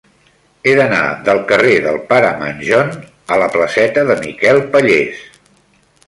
He d'anar del carrer del Pare Manjón a la placeta de Miquel Pallés.